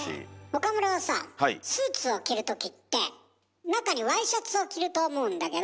岡村はさぁスーツを着るときって中にワイシャツを着ると思うんだけど。